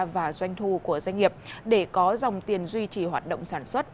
và doanh thu của doanh nghiệp để có dòng tiền duy trì hoạt động sản xuất